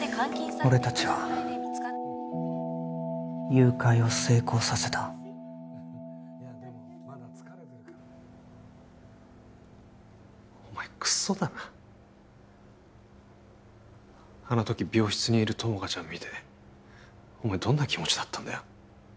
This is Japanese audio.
俺達は誘拐を成功させたお前クソだなあの時病室にいる友果ちゃん見てお前どんな気持ちだったんだよ？